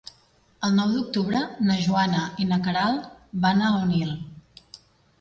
El nou d'octubre na Joana i na Queralt van a Onil.